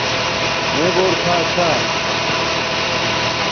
میے گھور تھا چھا